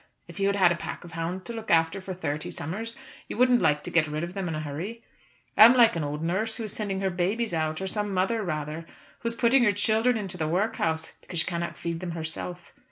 If you had had a pack of hounds to look after for thirty summers, you wouldn't like to get rid of them in a hurry. I'm like an old nurse who is sending her babies out, or some mother, rather, who is putting her children into the workhouse because she cannot feed them herself.